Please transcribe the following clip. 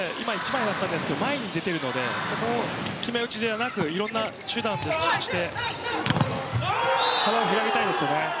今、前に出ているのでそこを決め打ちではなくいろんな手段を予測して幅を広げたいですね。